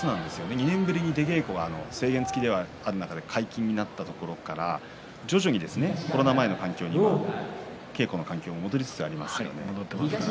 ２年ぶりに出稽古、制限付きで解禁になったところから徐々にコロナ前の環境に稽古の環境が戻りつつあります。